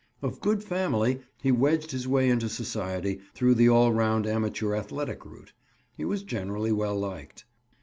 Of good family, he wedged his way into society, through the all round amateur athletic route. He was generally well liked."